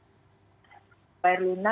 dan sampai sekarang ini